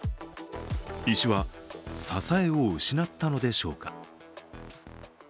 石は支えを失ったのでしょうか。